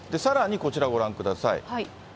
さらにこちらご覧ください。